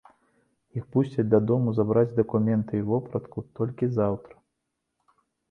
Іх пусцяць дадому забраць дакументы і вопратку толькі заўтра.